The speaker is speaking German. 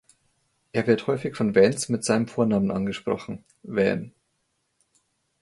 Er wird häufig von Vance mit seinem Vornamen angesprochen: Van.